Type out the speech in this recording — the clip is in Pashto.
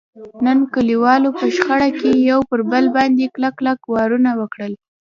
نن کلیوالو په شخړه کې یو پر بل باندې کلک کلک وارونه وکړل.